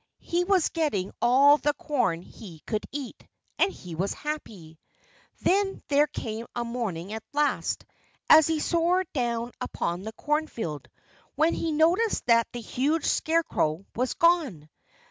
He was getting all the corn he could eat. And he was happy. Then there came a morning at last, as he soared down upon the cornfield, when he noticed that the huge scarecrow was gone.